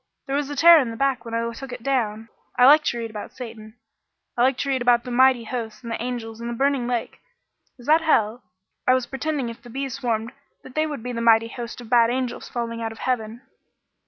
There was a tear in the back when I took it down. I like to read about Satan. I like to read about the mighty hosts and the angels and the burning lake. Is that hell? I was pretending if the bees swarmed that they would be the mighty host of bad angels falling out of heaven."